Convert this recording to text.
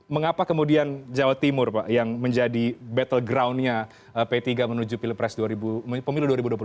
mengapa kemudian jawa timur pak yang menjadi battle groundnya p tiga menuju pemilu dua ribu dua puluh empat